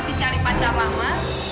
apalagi artinya kalau bukan untuk mama